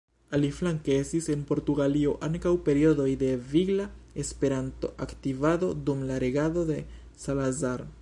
Aliflanke estis en Portugalio ankaŭ periodoj de vigla Esperanto-aktivado dum la regado de Salazar.